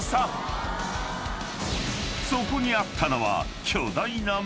［そこにあったのは］